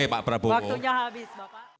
baik waktunya habis bapak